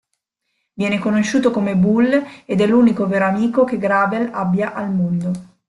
Viene conosciuto come "Bull" ed è l'unico vero amico che Gravel abbia al mondo.